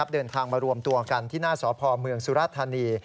เดินทางมารวมตัวกันที่หน้าสพเมืองสุรธานี